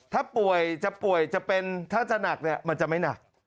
ถ้าป่วยจะเป็นถ้าจะหนักมันจะไม่หนัก